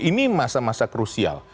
ini adalah masa krusial